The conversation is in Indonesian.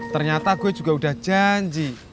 ternyata gue juga udah janji